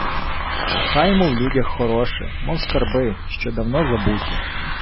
Шукаймо в людях хороше, мов скарби, що давно забуті